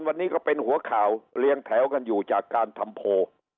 วันนี้ก็เป็นหัวข่าวเรียงแถวกันอยู่จากการทำโพล